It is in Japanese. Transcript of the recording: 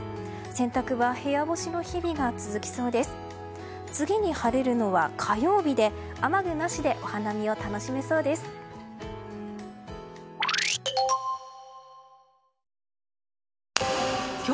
洗濯は部屋干しの日々が続きそうです。